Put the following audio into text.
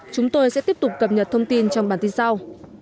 chúng tôi sẽ tiếp tục cập nhật thông tin trong bản tin sau